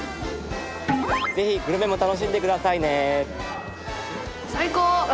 是非グルメも楽しんでくださいね。